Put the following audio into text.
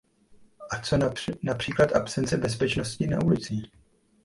Ale co například absence bezpečnosti na ulicích?